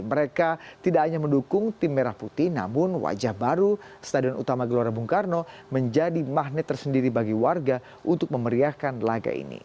mereka tidak hanya mendukung tim merah putih namun wajah baru stadion utama gelora bung karno menjadi magnet tersendiri bagi warga untuk memeriahkan laga ini